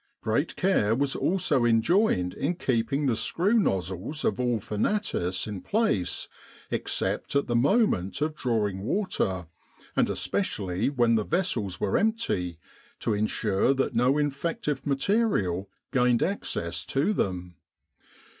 Great care was also enjoined in keeping the screw nozzles of all fanatis in place, except at the moment of drawing water, and especially when the vessels were empty, to ensure that no infective material gained access to them.